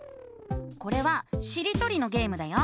これはしりとりのゲームだよ。